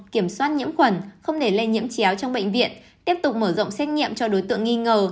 kiểm soát nhiễm khuẩn không để lây nhiễm chéo trong bệnh viện tiếp tục mở rộng xét nghiệm cho đối tượng nghi ngờ